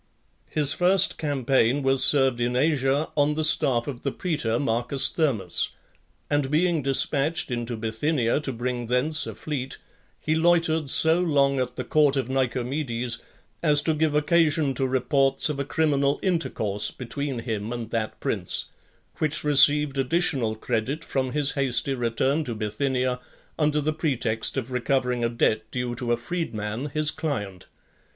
II. His first campaign was served in Asia, on the staff of the praetor, M. Thermus; and being dispatched into Bithynia , to bring thence a fleet, he loitered so long at the court of Nicomedes, as to give occasion to reports of a criminal intercourse between him and that prince; which received additional credit from his hasty return to Bithynia, under the pretext of recovering a debt due to a freed man, his client.